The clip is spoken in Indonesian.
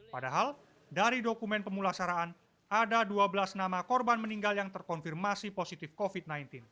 padahal dari dokumen pemulasaraan ada dua belas nama korban meninggal yang terkonfirmasi positif covid sembilan belas